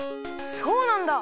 そうなんだ！